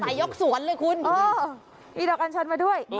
ใส่ยกสวนเลยคุณเออเออมีดอกอัญชันมาด้วยอืม